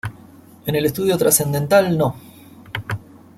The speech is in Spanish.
En el estudio trascendental no.